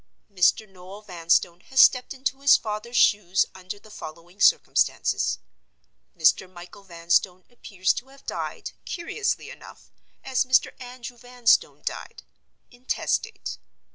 Mr. Noel Vanstone has stepped into his father's shoes under the following circumstances: Mr. Michael Vanstone appears to have died, curiously enough, as Mr. Andrew Vanstone died—intestate.